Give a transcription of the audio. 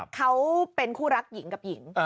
เขาเป็นคู่รักหญิงกับหญิง